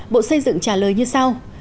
bộ xây dựng trả lời như sau